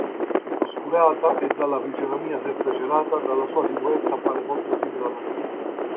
Oscurata e dalla fisionomia sempre celata, dalla sua silhouette appare molto simile alla figlia.